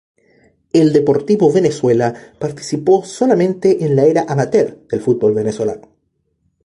El Deportivo Venezuela participó solamente en la Era amateur del Fútbol venezolano.